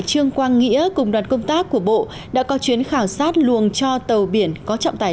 trương quang nghĩa cùng đoàn công tác của bộ đã có chuyến khảo sát luồng cho tàu biển có trọng tải